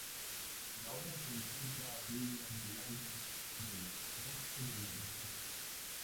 La obra se encuentra a orillas del lago del "Bosque del Rosedal".